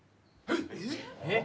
えっ！？